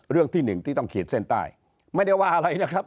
เรื่องที่หนึ่งที่ต้องขีดเส้นใต้ไม่ได้ว่าอะไรนะครับ